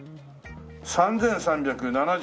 「３３７０」